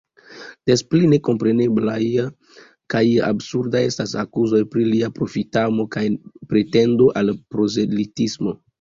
Des pli nekompreneblaj kaj absurdaj estas akuzoj pri lia profitamo kaj pretendo al prozelitismo.